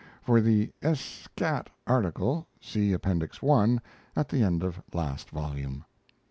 For the "S'cat" article see Appendix I, at the end of last volume.